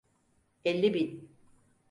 Elli bin.